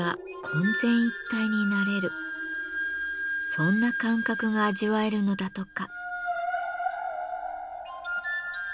そんな感覚が味わえるのだとか。